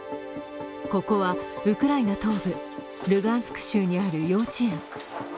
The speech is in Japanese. ここはウクライナ東部ルガンスク州にある幼稚園。